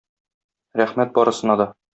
Рәхмәт барысына да.